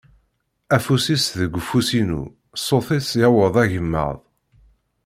Afus-is deg ufus-inu, ṣṣut-is yewweḍ agemmaḍ.